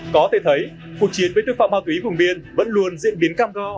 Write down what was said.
có thể thấy cuộc chiến với tội phạm ma túy vùng biên vẫn luôn diễn biến cam go